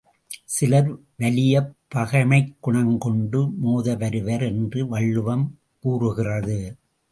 சிலர் வலியப் பகைமைக் குணங்கொண்டு மோதவருவர் என்று வள்ளுவம் கூறுகிறது.